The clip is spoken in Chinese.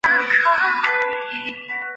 锡金现为印度人口最少的邦。